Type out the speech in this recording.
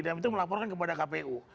dan itu melaporkan kepada kpu